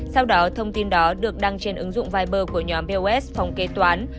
sau đó thông tin đó được đăng trên ứng dụng viber của nhóm pos phòng kế toán